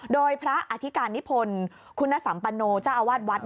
โดยพระอธิการนิพลคุณสัมปโนเจ้าอาวาสวัด